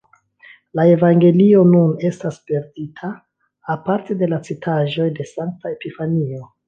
La evangelio nun estas perdita, aparte de la citaĵoj de sankta Epifanio.